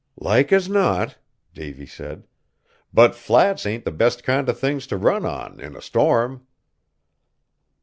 "Like as not!" Davy said; "but flats ain't the best kind o' things t' run on, in a storm."